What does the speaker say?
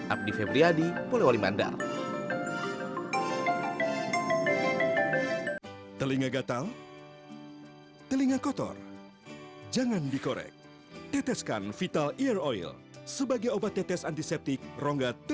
abdi febriadi polewali mandar